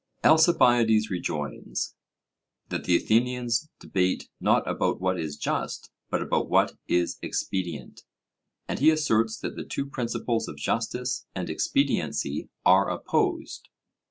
Alcibiades rejoins, that the Athenians debate not about what is just, but about what is expedient; and he asserts that the two principles of justice and expediency are opposed.